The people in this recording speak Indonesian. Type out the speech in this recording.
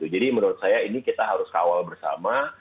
jadi menurut saya ini kita harus kawal bersama